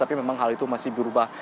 tapi memang hal itu masih berubah